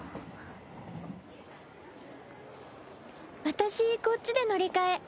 私こっちで乗り換え。